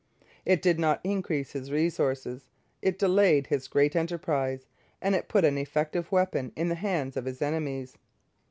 It did not increase his resources; it delayed his great enterprise; and it put an effective weapon in the hands of his enemies.